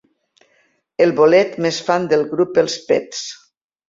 El bolet més fan del grup Els Pets.